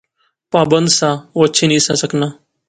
پابند سا، او اچھی نہسا سکنا